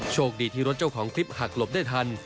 โชคดีที่รถเจ้าของคลิปหักหลบได้ทัน